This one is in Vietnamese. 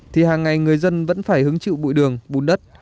thì hàng ngày người dân vẫn phải hứng chịu bụi đường bùn đất